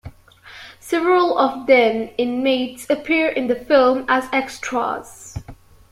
Several of the then-inmates appear in the film as extras.